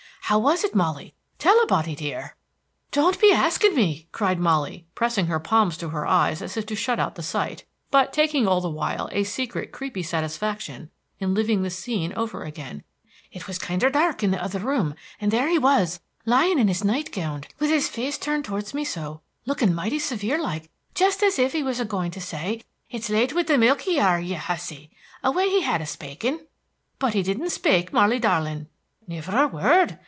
"How was it, Molly? Tell a body, dear!" "Don't be asking me!" cried Molly, pressing her palms to her eyes as if to shut out the sight, but taking all the while a secret creepy satisfaction in living the scene over again. "It was kinder dark in the other room, and there he was, laying in his night gownd, with his face turned towards me, so, looking mighty severe like, jest as if he was a going to say, 'It's late with the milk ye are, ye hussy!' a way he had of spaking." "But he didn't spake, Molly darlin'?" "Niver a word.